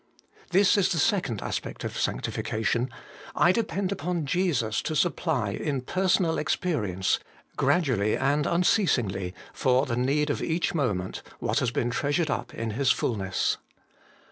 This is the second aspect of sanctification : I depend upon Jesus to supply, in personal experience, gradually 1 See Note E. HOLINESS AND FAITH. 161 and unceasingly, for the need of each moment, what has been treasured up in His fulness.